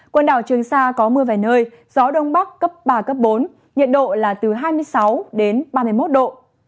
quần đảo trường sa có mưa vài nơi gió đông bắc cấp ba bốn nhiệt độ là từ hai mươi sáu đến ba mươi một độ